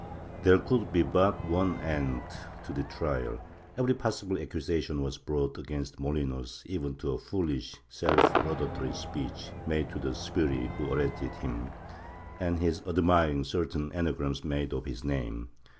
There could be but one end to the trial. Every possible accu sation was brought against Molinos, even to a foolish self laudatory speech made to the sbirri who arrested him, and his admiring certain anagrams made of his name.